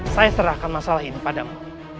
saya serahkan masalah ini padamu